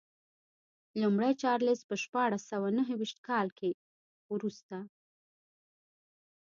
لومړی چارلېز په شپاړس سوه نهویشت کال وروسته.